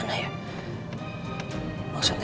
tidak dapat menerima panggilan anda